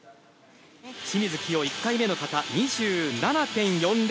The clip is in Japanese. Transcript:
清水希容、１回目の形２７．４０。